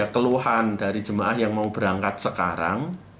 kemungkinan jemaah yang mau berangkat sekarang